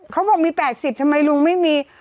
เขาบอกมี๘๐ทำไมลุงไม่มี